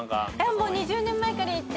もう２０年前から行って。